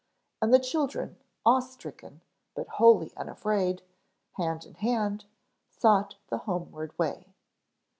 And the children awe stricken but wholly unafraid, hand in hand, sought the homeward way.